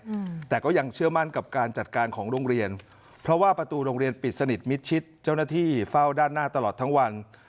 อืมแต่ก็ยังเชื่อมั่นกับการจัดการของโรงเรียนเพราะว่าประตูโรงเรียนปิดสนิทมิดชิดเจ้าหน้าที่เฝ้าด้านหน้าตลอดทั้งวัน